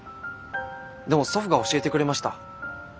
でも祖父が教えてくれました。